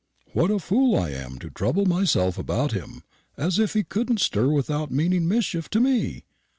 What a fool I am to trouble myself about him, as if he couldn't stir without meaning mischief to me!